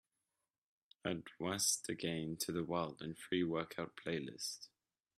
Add wastedagain to the wild & free workout playlist